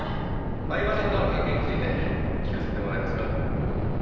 「饗庭さんとの関係について聞かせてもらえますか？」